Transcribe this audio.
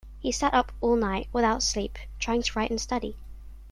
He sat up all night, without sleep, trying to write and study